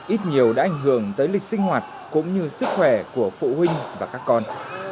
ít nhiều đã ảnh hưởng tới lịch sinh hoạt cũng như sức khỏe của phụ huynh và các con